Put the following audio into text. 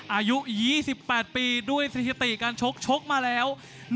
อายุ๒๘ปีด้วยสถิติการชกชกมาแล้ว